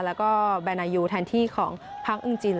แล้วก็แบนายูแทนที่ของพักอึงจิน